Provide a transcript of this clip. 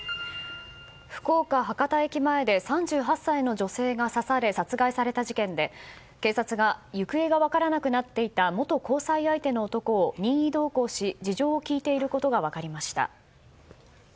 福岡・博多駅前で３８歳の女性が刺され殺害された事件で警察が行方が分からなくなっていた元交際相手の男を任意同行し事情を聴いていることが分かりました。